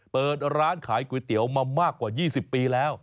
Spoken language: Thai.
เปิดร้านขายก๋วยเตี๋ยวมามากกว่า๒๐ปีแล้ว